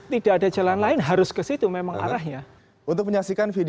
tidak ada jalan lain harus ke situ memang arahnya